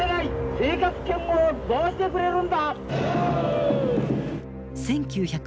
生活圏をどうしてくれるんだ！